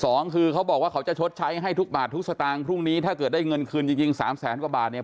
สองคือเขาบอกว่าเขาจะชดใช้ให้ทุกบาททุกสตางค์พรุ่งนี้ถ้าเกิดได้เงินคืนจริงจริงสามแสนกว่าบาทเนี่ย